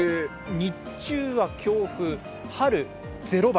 日中は強風、春ゼロ番。